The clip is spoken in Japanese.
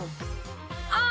ああ！